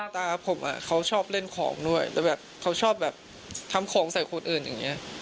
ตาผมเขาชอบเล่นของด้วยแล้วแบบเขาชอบแบบทำของใส่คนอื่นอย่างนี้